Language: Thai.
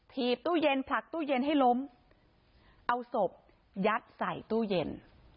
ีบตู้เย็นผลักตู้เย็นให้ล้มเอาศพยัดใส่ตู้เย็น